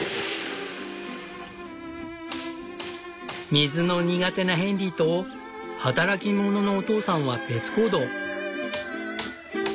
水の苦手なヘンリーと働き者のお父さんは別行動。